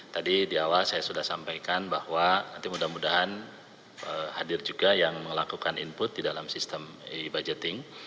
tadi di awal saya sudah sampaikan bahwa nanti mudah mudahan hadir juga yang melakukan input di dalam sistem e budgeting